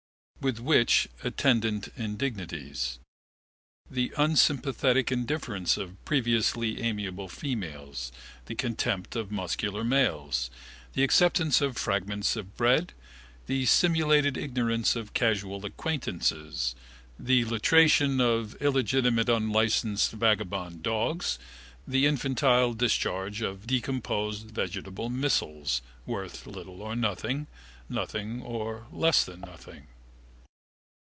With which attendant indignities? The unsympathetic indifference of previously amiable females, the contempt of muscular males, the acceptance of fragments of bread, the simulated ignorance of casual acquaintances, the latration of illegitimate unlicensed vagabond dogs, the infantile discharge of decomposed vegetable missiles, worth little or nothing, nothing or less than nothing.